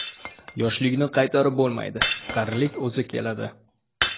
• Yoshlikni qaytarib bo‘lmaydi, qarilik o‘zi keladi.